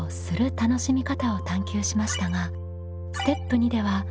楽しみ方を探究しましたがステップ２では楽しみ方を